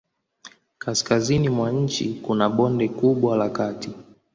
Kaskazini mwa nchi hakuna bonde kubwa la kati.